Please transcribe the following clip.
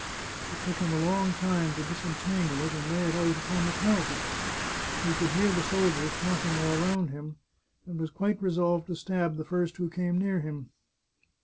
It took him a long time to disentangle it, and lay it out upon the parapet. He could hear the sol diers talking all round him, and was quite resolved to stab the first who came near him.